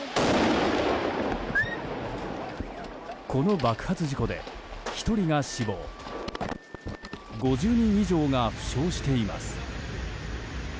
この爆発事故で１人が死亡５０人以上が負傷しています。